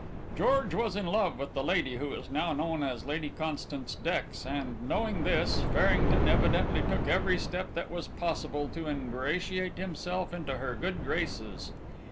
"George was in love with the lady who is now known as Lady Constance Dex, and knowing this, Farrington evidently took every step that was possible to ingratiate himself into her good graces.